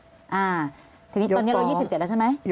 ก็คลิปออกมาแบบนี้เลยว่ามีอาวุธปืนแน่นอน